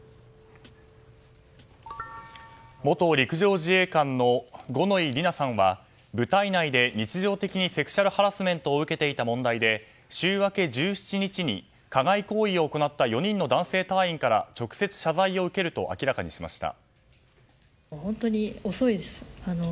元陸上自衛官の五ノ井里奈さんは部隊内で日常的にセクシュアルハラスメントを受けていた問題で週明け１７日に加害行為を行った４人の男性隊員から直接謝罪を受けると明らかにしました。